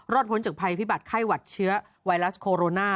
พ้นจากภัยพิบัติไข้หวัดเชื้อไวรัสโคโรนา